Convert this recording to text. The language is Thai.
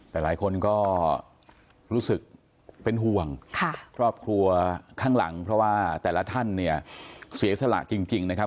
แต่หลายคนก็รู้สึกเป็นห่วงครอบครัวข้างหลังเพราะว่าแต่ละท่านเนี่ยเสียสละจริงนะครับ